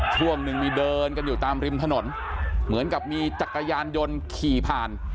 ช่วงหนึ่งมีเดินกันอยู่ตามริมถนนเหมือนกับมีจักรยานยนต์ขี่ผ่าน